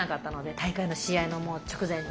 大会の試合の直前に。